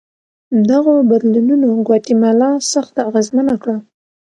دغو بدلونونو ګواتیمالا سخته اغېزمنه کړه.